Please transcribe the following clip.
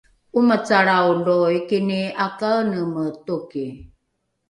’omacalrao lo mikini ’akaeneme toki